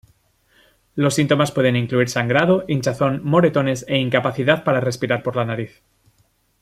Los síntomas pueden incluir sangrado, hinchazón, moretones e incapacidad para respirar por la nariz.